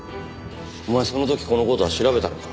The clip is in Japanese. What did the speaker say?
お前その時この事は調べたのか？